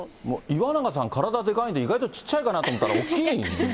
いわながさん、体でかいんで、意外とちっちゃいかなと思ったら、大きいんですね。